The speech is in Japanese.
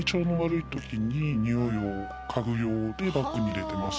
用でバッグに入れてます。